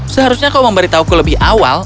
seharusnya kau memberitahuku lebih awal